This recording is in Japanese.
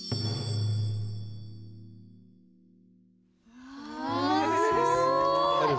うわすごい。